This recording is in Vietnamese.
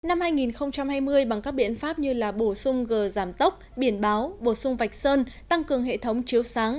năm hai nghìn hai mươi bằng các biện pháp như là bổ sung gờ giảm tốc biển báo bổ sung vạch sơn tăng cường hệ thống chiếu sáng